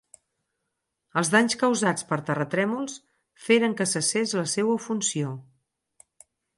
Els danys causats per terratrèmols feren que cessés en la seua funció.